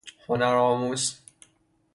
هنر آموز